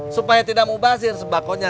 supaya tidak mubazir sembakonya